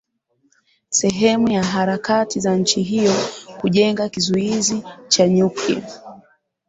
sehemu ya harakati za nchi hiyo kujenga kizuizi cha nyuklia